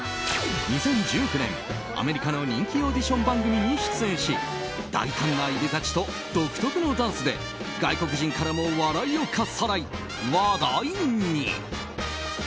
２０１９年、アメリカの人気オーディション番組に出演し大胆ないでたちと独特のダンスで外国人からも笑いをかっさらい話題に。